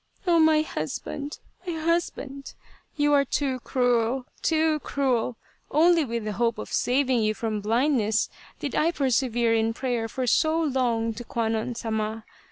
" Oh, my husband, my husband ! You are too cruel too cruel ! Only with the hope of saving you from blindness did I persevere in prayer for so long to Kwannon Sama.